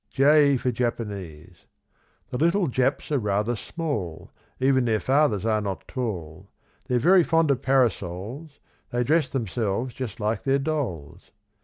J for Japanese. The little Japs are rather small, Even their fathers are not tall; They're very fond of parasols, They dress themselves just like their dolls.